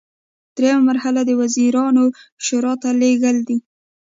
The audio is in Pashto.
دریمه مرحله د وزیرانو شورا ته لیږل دي.